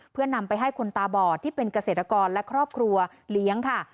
เพื่อนำไปให้คนตาบอดที่เป็นเกษตรกรและครอบครัวเลี้ยงค่ะ